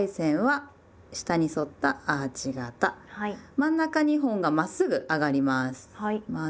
真ん中２本がまっすぐ上がります。